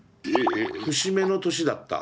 節目の年だった。